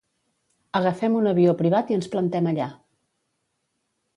Agafem un avió privat i ens plantem allà.